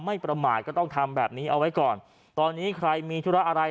ประมาทก็ต้องทำแบบนี้เอาไว้ก่อนตอนนี้ใครมีธุระอะไร